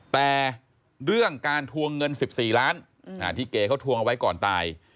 แต่เรื่องการทวงเงิน๑๔ล้านที่เก๋เขาทวงเอาไว้ก่อนตาย